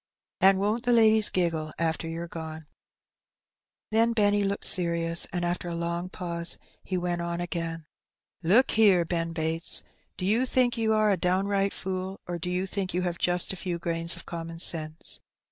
And won^t the ladies giggle after you^re gone !^^ Then Benny looked serious, and after a long pause he went on again —" Look here, Ben Bates : do you think you are a down right fool, or do you think you have just a few grains of common sense?